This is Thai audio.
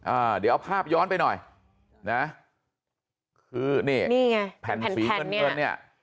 อ่าเดี๋ยวเอาภาพย้อนไปหน่อยนะคือนี่นี่ไงแผ่นเนี่ย